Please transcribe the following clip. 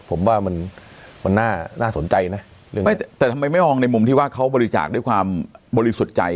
ผมว่ามันน่าสนใจนะเรื่องนี้แต่ทำไมไม่มองในมุมที่ว่าเขาบริจาคด้วยความบริสุทธิ์ใจ